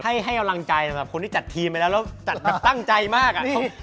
ให้อำลังใจนะคนที่จัดพื้นทีมไปแล้วแล้วตั้งใจมากอะ